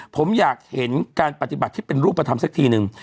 ผมอยากเห็นการปฏิบัติที่เป็นรูปธรรมสักทีนึง